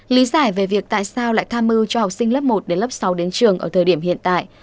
lý giải về việc tại sao lại tham mưu cho học sinh lớp một đến lớp sáu đến trường ở thời điểm hiện tại